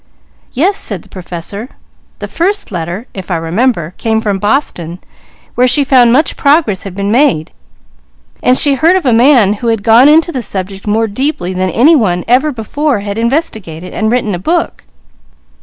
"Yes," said the Professor, "the first letter, if I remember, came from Boston, where she found much progress had been made; there she heard of a man who had gone into the subject more deeply than any one ever before had investigated, and written a book.